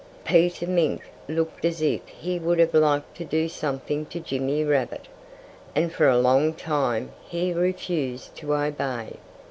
Peter Mink looked as if he would have liked to do something to Jimmy Rabbit. And for a long time he refused to obey.